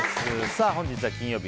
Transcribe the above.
本日は金曜日。